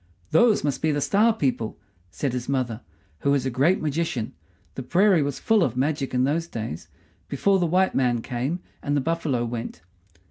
"Those must be the Star people," said his mother, who was a great magician the prairie was full of magic in those days, before the white man came and the buffalo went.